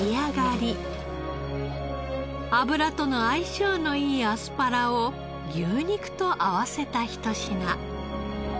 脂との相性のいいアスパラを牛肉と合わせた一品。